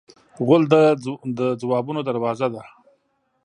غول د ځوابونو دروازه ده.